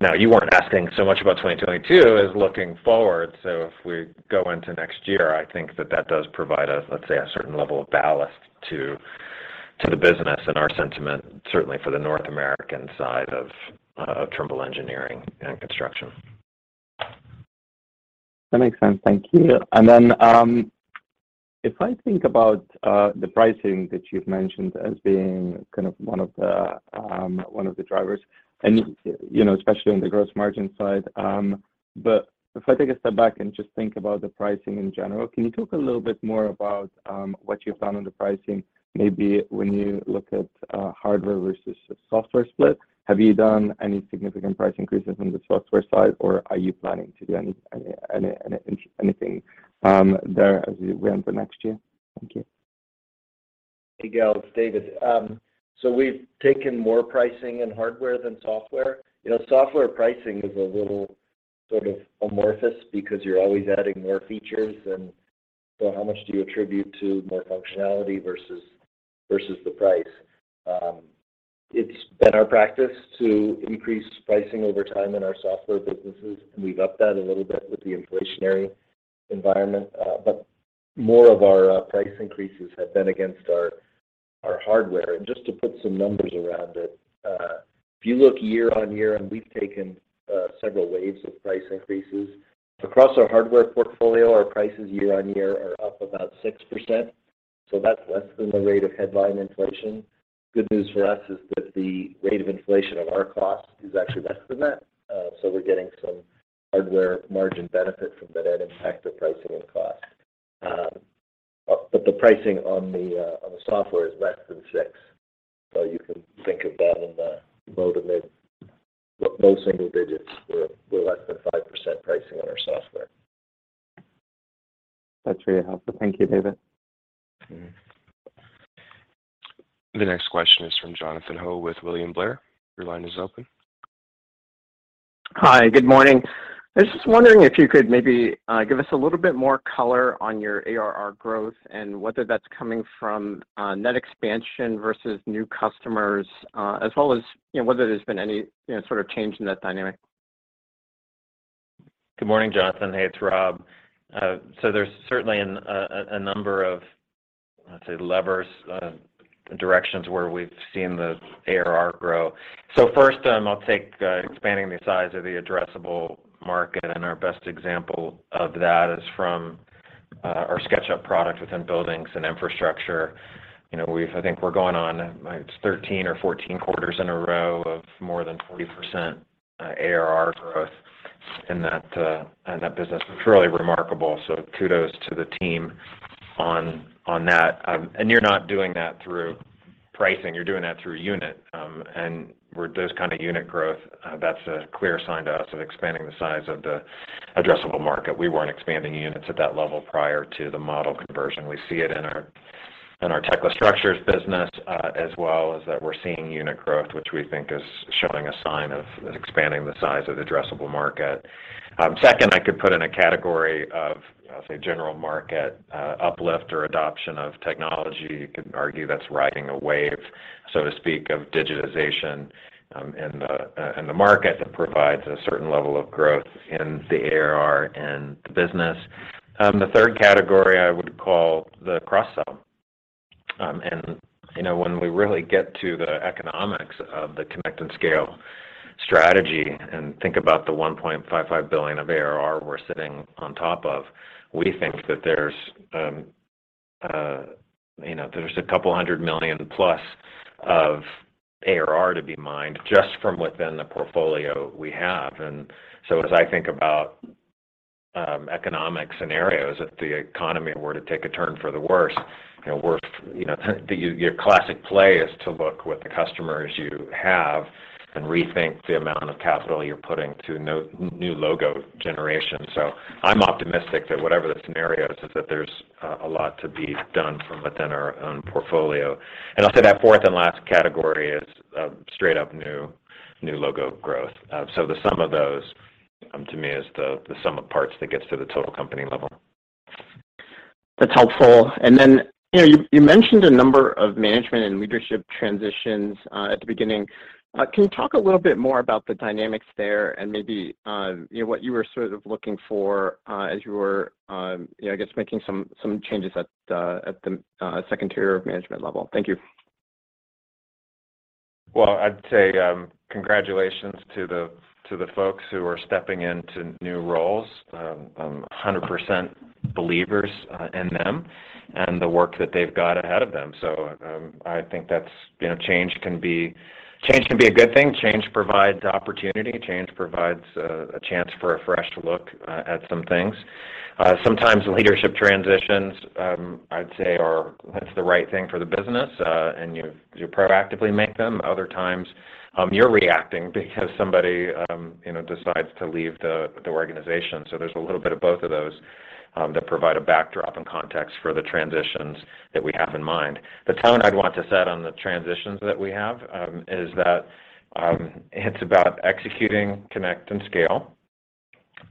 Speaker 2: Now you weren't asking so much about 2022 as looking forward. If we go into next year, I think that does provide us, let's say, a certain level of ballast to the business and our sentiment, certainly for the North American side of Trimble Engineering and Construction.
Speaker 10: That makes sense. Thank you. If I think about the pricing that you've mentioned as being kind of one of the drivers, and you know, especially on the gross margin side, but if I take a step back and just think about the pricing in general, can you talk a little bit more about what you've done on the pricing? Maybe when you look at hardware versus software split, have you done any significant price increases on the software side, or are you planning to do anything there as you went for next year? Thank you.
Speaker 3: Hey, Gal. It's David. So we've taken more pricing in hardware than software. You know, software pricing is a little sort of amorphous because you're always adding more features, and so how much do you attribute to more functionality versus the price? It's been our practice to increase pricing over time in our software businesses, and we've upped that a little bit with the inflationary environment. But more of our price increases have been against our hardware. Just to put some numbers around it, if you look year-on-year and we've taken several waves of price increases. Across our hardware portfolio, our prices year-on-year are up about 6%, so that's less than the rate of headline inflation. Good news for us is that the rate of inflation of our cost is actually less than that. We're getting some hardware margin benefit from the net impact of pricing and cost. The pricing on the software is less than 6%. You can think of that in the low to mid-low single digits. We're less than 5% pricing on our software.
Speaker 10: That's really helpful. Thank you, David.
Speaker 3: Mm-hmm.
Speaker 1: The next question is from Jonathan Ho with William Blair. Your line is open.
Speaker 11: Hi. Good morning. I was just wondering if you could maybe give us a little bit more color on your ARR growth and whether that's coming from net expansion versus new customers, as well as, you know, whether there's been any, you know, sort of change in that dynamic.
Speaker 2: Good morning, Jonathan. Hey, it's Rob. There's certainly a number of, let's say, levers, directions where we've seen the ARR grow. First, I'll take expanding the size of the addressable market, and our best example of that is from our SketchUp product within buildings and infrastructure. You know, I think we're going on, like, 13 or 14 quarters in a row of more than 40% ARR growth in that business. It's really remarkable, so kudos to the team on that. You're not doing that through pricing. You're doing that through unit. With those kind of unit growth, that's a clear sign to us of expanding the size of the addressable market. We weren't expanding units at that level prior to the model conversion. We see it in our Tekla Structures business as well, is that we're seeing unit growth, which we think is showing a sign of expanding the size of the addressable market. Second, I could put in a category of, say, general market uplift or adoption of technology. You could argue that's riding a wave, so to speak, of digitization in the market that provides a certain level of growth in the ARR and the business. The third category I would call the cross-sell. You know, when we really get to the economics of the Connect and Scale strategy and think about the $1.55 billion of ARR we're sitting on top of, we think that there's, you know, there's a couple hundred million plus of ARR to be mined just from within the portfolio we have. As I think about economic scenarios, if the economy were to take a turn for the worse, you know, we're, you know, your classic play is to look to the customers you have and rethink the amount of capital you're putting to new logo generation. I'm optimistic that whatever the scenario is that there's a lot to be done from within our own portfolio. I'll say that fourth and last category is straight up new logo growth. The sum of those to me is the sum of parts that gets to the total company level.
Speaker 11: That's helpful. You know, you mentioned a number of management and leadership transitions at the beginning. Can you talk a little bit more about the dynamics there and maybe, you know, what you were sort of looking for as you were, you know, I guess, making some changes at the second tier of management level? Thank you.
Speaker 2: Well, I'd say, congratulations to the folks who are stepping into new roles. I'm 100% believer in them and the work that they've got ahead of them. I think that's, you know, change can be a good thing. Change provides opportunity. Change provides a chance for a fresh look at some things. Sometimes leadership transitions, I'd say it's the right thing for the business, and you proactively make them. Other times, you're reacting because somebody, you know, decides to leave the organization. There's a little bit of both of those that provide a backdrop and context for the transitions that we have in mind. The tone I'd want to set on the transitions that we have is that it's about executing Connect and Scale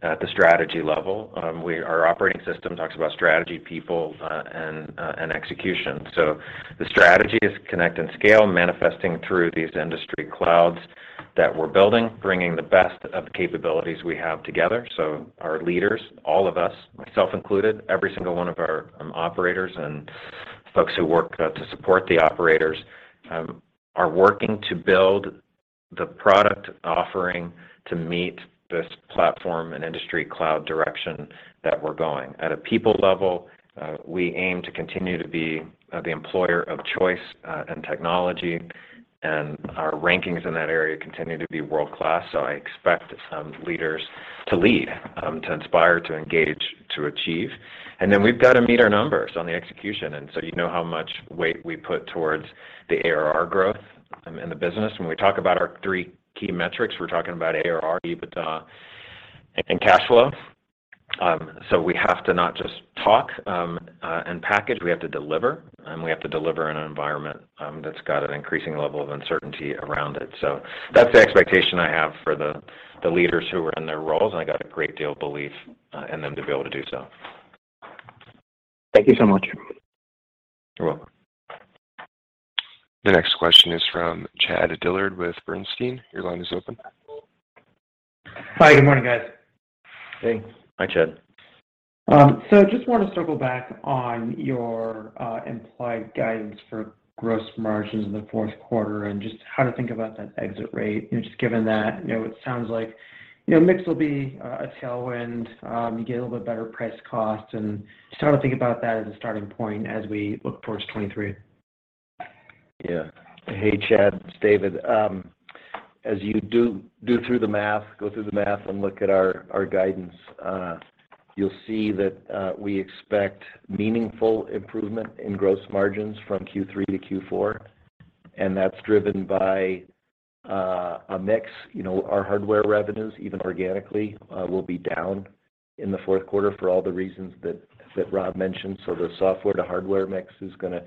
Speaker 2: at the strategy level. Our operating system talks about strategy, people, and execution. The strategy is Connect and Scale manifesting through these Industry Clouds that we're building, bringing the best of the capabilities we have together. Our leaders, all of us, myself included, every single one of our operators and folks who work to support the operators, are working to build the product offering to meet this platform and Industry Cloud direction that we're going. At a people level, we aim to continue to be the employer of choice in technology, and our rankings in that area continue to be world-class. I expect some leaders to lead, to inspire, to engage, to achieve. We've got to meet our numbers on the execution, and so you know how much weight we put towards the ARR growth in the business. When we talk about our three key metrics, we're talking about ARR, EBITDA, and cash flow. We have to not just talk and package, we have to deliver, and we have to deliver in an environment that's got an increasing level of uncertainty around it. That's the expectation I have for the leaders who are in their roles, and I got a great deal of belief in them to be able to do so.
Speaker 11: Thank you so much.
Speaker 2: You're welcome.
Speaker 1: The next question is from Chad Dillard with Bernstein. Your line is open.
Speaker 12: Hi, good morning, guys.
Speaker 2: Hey.
Speaker 3: Hi, Chad.
Speaker 12: Just want to circle back on your implied guidance for gross margins in the fourth quarter and just how to think about that exit rate, you know, just given that, you know, it sounds like, you know, mix will be a tailwind, you get a little bit better price cost, and just how to think about that as a starting point as we look towards 2023?
Speaker 3: Yeah. Hey, Chad, it's David. Go through the math and look at our guidance, you'll see that we expect meaningful improvement in gross margins from Q3 to Q4, and that's driven by a mix. You know, our hardware revenues, even organically, will be down in the 4th quarter for all the reasons that Rob mentioned. The software to hardware mix is gonna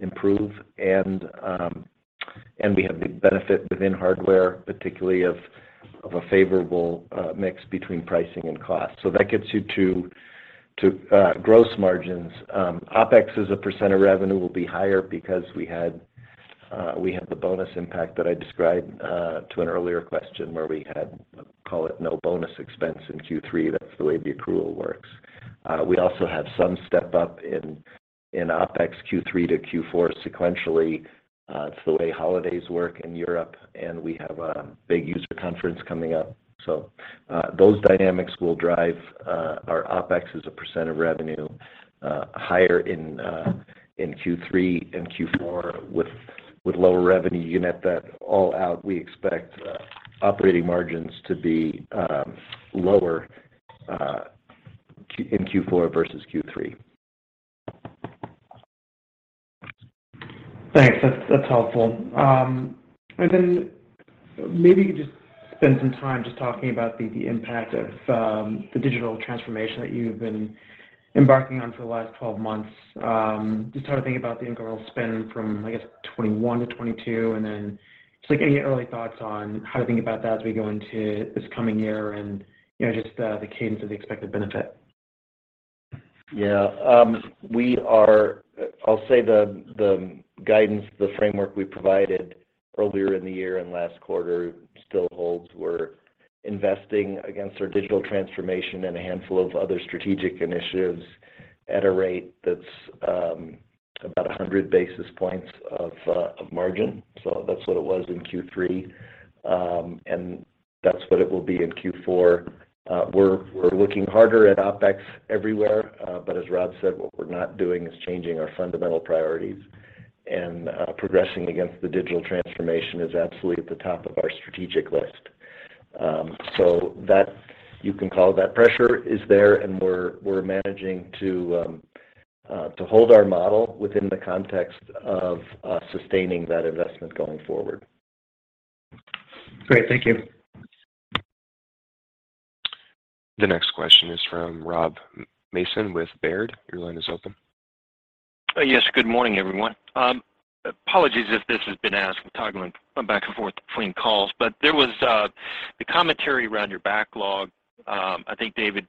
Speaker 3: improve and we have the benefit within hardware, particularly of a favorable mix between pricing and cost. That gets you to gross margins. OpEx as a percent of revenue will be higher because we had the bonus impact that I described to an earlier question, where we had, call it no bonus expense in Q3. That's the way the accrual works. We also have some step-up in OpEx Q3 to Q4 sequentially. It's the way holidays work in Europe, and we have a big user conference coming up. Those dynamics will drive our OpEx as a percent of revenue higher in Q3 and Q4 with lower revenue. You net that all out, we expect operating margins to be lower in Q4 versus Q3.
Speaker 12: Thanks. That's helpful. And then maybe you could just spend some time talking about the impact of the digital transformation that you've been embarking on for the last 12 months. Just how to think about the incremental spend from, I guess, 2021 to 2022, and then just, like, any early thoughts on how to think about that as we go into this coming year and, you know, just the cadence of the expected benefit.
Speaker 3: I'll say the guidance, the framework we provided earlier in the year and last quarter still holds. We're investing against our digital transformation and a handful of other strategic initiatives at a rate that's about 100 basis points of margin. That's what it was in Q3, and that's what it will be in Q4. We're looking harder at OpEx everywhere, but as Rob said, what we're not doing is changing our fundamental priorities. Progressing against the digital transformation is absolutely at the top of our strategic list. So that you can call it that. Pressure is there, and we're managing to hold our model within the context of sustaining that investment going forward.
Speaker 12: Great. Thank you.
Speaker 1: The next question is from Rob Mason with Baird. Your line is open.
Speaker 13: Yes. Good morning, everyone. Apologies if this has been asked. I'm toggling back and forth between calls, but there was the commentary around your backlog. I think, David,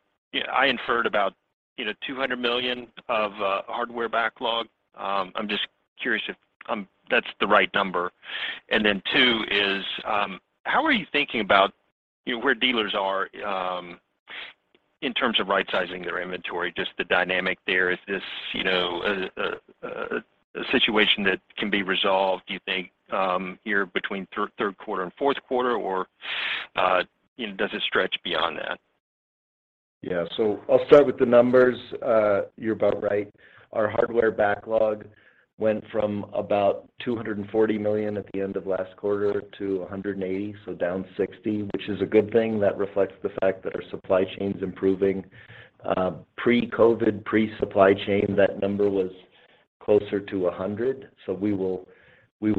Speaker 13: I inferred about, you know, $200 million of hardware backlog. I'm just curious if that's the right number? Then two is how are you thinking about, you know, where dealers are in terms of right-sizing their inventory, just the dynamic there. Is this, you know, a situation that can be resolved, do you think, here between 3rd quarter and 4th quarter, or you know, does it stretch beyond that?
Speaker 3: Yeah. I'll start with the numbers. You're about right. Our hardware backlog went from about $240 million at the end of last quarter to $180 million, so down $60 million, which is a good thing. That reflects the fact that our supply chain's improving. Pre-COVID, pre-supply chain, that number was closer to $100 million, so we will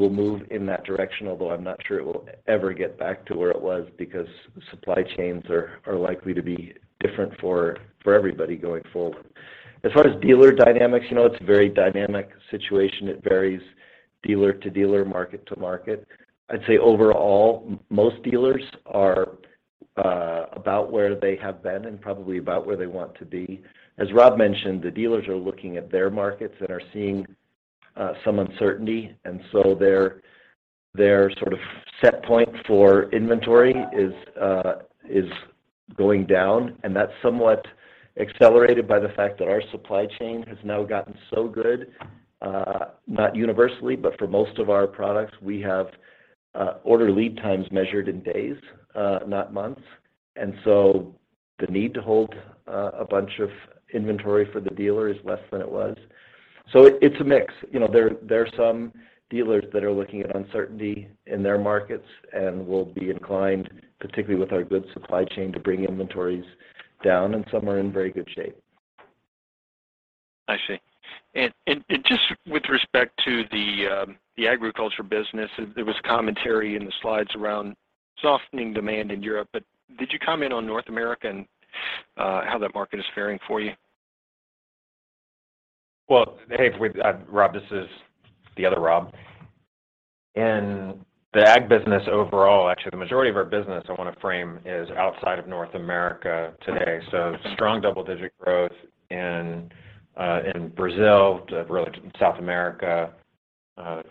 Speaker 3: move in that direction, although I'm not sure it will ever get back to where it was because supply chains are likely to be different for everybody going forward. As far as dealer dynamics, you know, it's a very dynamic situation. It varies dealer-to-dealer, market-to- market. I'd say overall, most dealers are about where they have been and probably about where they want to be. As Rob mentioned, the dealers are looking at their markets and are seeing some uncertainty, and so their sort of set point for inventory is going down, and that's somewhat accelerated by the fact that our supply chain has now gotten so good, not universally, but for most of our products, we have order lead times measured in days, not months. The need to hold a bunch of inventory for the dealer is less than it was. It's a mix. You know, there are some dealers that are looking at uncertainty in their markets and will be inclined, particularly with our good supply chain, to bring inventories down, and some are in very good shape.
Speaker 13: I see. Just with respect to the agriculture business, there was commentary in the slides around softening demand in Europe, but did you comment on North America and how that market is faring for you?
Speaker 2: Well, hey, Rob, this is the other Rob. In the ag business overall, actually the majority of our business I want to frame is outside of North America today. Strong double-digit growth in Brazil, really South America,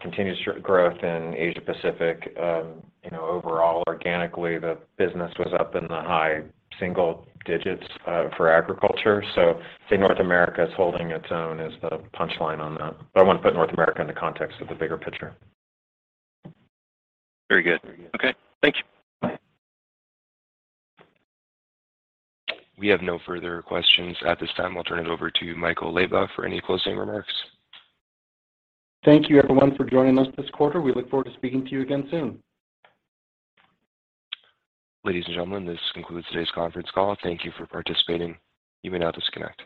Speaker 2: continuous growth in Asia Pacific. You know, overall, organically, the business was up in the high single digits for agriculture. I'd say North America is holding its own is the punchline on that, but I want to put North America in the context of the bigger picture.
Speaker 13: Very good. Okay. Thank you. Bye.
Speaker 1: We have no further questions at this time. I'll turn it over to Michael Leyba for any closing remarks.
Speaker 14: Thank you everyone for joining us this quarter. We look forward to speaking to you again soon.
Speaker 1: Ladies and gentlemen, this concludes today's conference call. Thank you for participating. You may now disconnect.